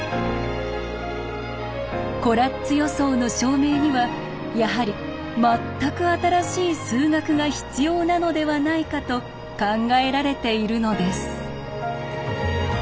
コラッツ予想の証明にはやはり全く新しい数学が必要なのではないかと考えられているのです。